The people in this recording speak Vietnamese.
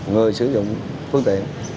người sử dụng phương tiện